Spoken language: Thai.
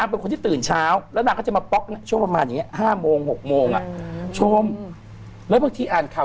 อ่านไปคุณกัญชัยว่าอย่างไรฮะ